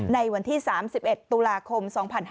ในวันที่๓๑ตุลาคม๒๕๕๙